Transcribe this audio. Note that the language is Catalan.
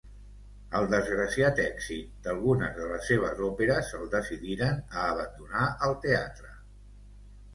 El desgraciat èxit d'algunes de les seves òperes el decidiren a abandonar el teatre.